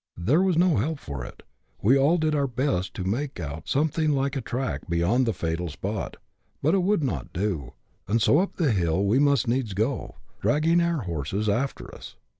There was no help for it ; we all did our best to make out something like a track beyond the fatal spot, but it would not do, and so up the hill we must needs go, dragging our horses after us.